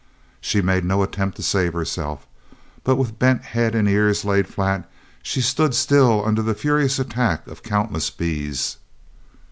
She made no attempt to save herself, but with bent head and ears laid flat she stood still under the furious attack of countless bees.